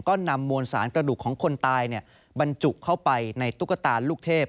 ก็นำมวลสารกระดูกของคนตายบรรจุเข้าไปในตุ๊กตาลูกเทพ